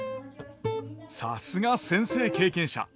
さすが先生経験者。